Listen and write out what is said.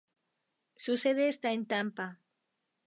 Su sede está en Tampa.